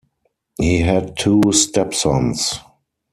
He had two stepsons.